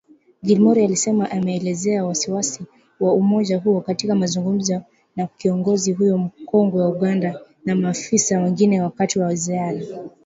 Gilmore alisema ameelezea wasi-wasi wa umoja huo, katika mazungumzo na kiongozi huyo mkongwe wa Uganda na maafisa wengine wakati wa ziara